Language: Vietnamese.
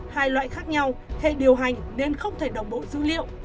hai loại khác nhau hệ điều hành nên không thể đồng bộ dữ liệu